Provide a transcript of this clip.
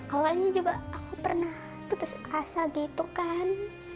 awalnya juga aku pernah putus asa gitu kan